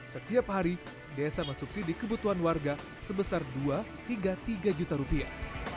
setiap hari desa mensubsidi kebutuhan warga sebesar dua hingga tiga juta rupiah